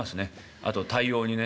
あと対応にね。